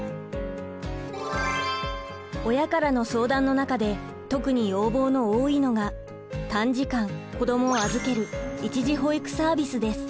親からの相談の中で特に要望の多いのが短時間子どもを預ける一時保育サービスです。